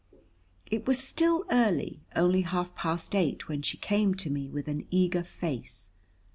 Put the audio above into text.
It was still early, only half past eight, when she came to me with an eager face.